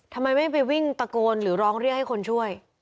ทำไมไม่ไปวิ่งตะโกนหรือร้องเรียกให้คนช่วย